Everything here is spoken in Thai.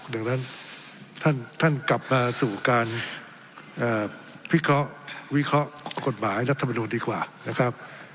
ดังนั้นท่านกลับมาสู่การพิเคราะห์วิเคราะห์กฎหมายรัฐมนุนดีกว่านะครับ